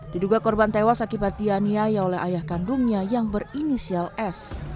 diduga korban tewas akibat dianiaya oleh ayah kandungnya yang berinisial s